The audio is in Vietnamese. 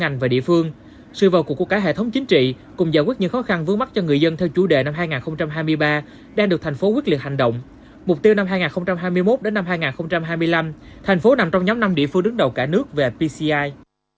mục tiêu năm hai nghìn hai mươi một đến năm hai nghìn hai mươi năm thành phố nằm trong nhóm năm địa phương đứng đầu cả nước về pci